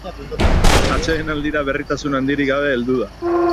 Atsedenaldira berritasun handirik gabe heldu da.